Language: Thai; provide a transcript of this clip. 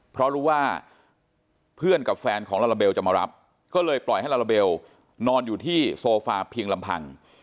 เพราะรู้ว่าเพื่อนกับแฟนของลาลาเบลจะมารับก็เลยปล่อยให้ลาลาเบลนอนอยู่ที่โซฟาเพียงลำพัง